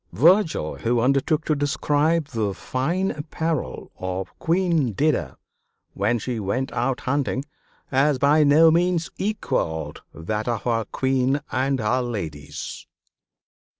Virgil, who undertook to describe the fine apparel of Queen Dido when she went out hunting, has by no means equaled that of our Queen and her ladies."